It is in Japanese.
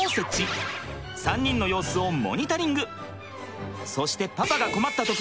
３人の様子をモニタリング。